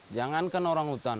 jangankan orang utan